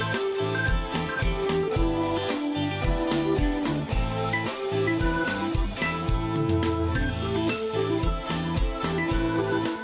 สวัสดีครับ